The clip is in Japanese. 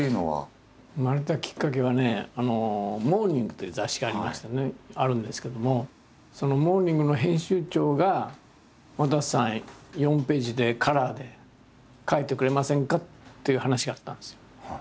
生まれたきっかけはね「モーニング」という雑誌がありましてねあるんですけどもその「モーニング」の編集長が「わたせさん４ページでカラーで描いてくれませんか？」っていう話があったんですよ。